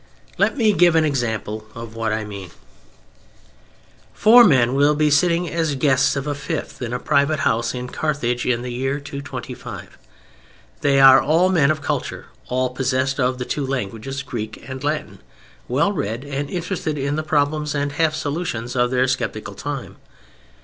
Let me give an example of what I mean: Four men will be sitting as guests of a fifth in a private house in Carthage in the year 225. They are all men of culture; all possessed of the two languages, Greek and Latin, well read and interested in the problems and half solutions of their skeptical time.